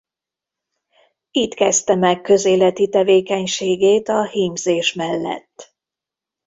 Itt kezdte meg közéleti tevékenységét a hímzés mellett.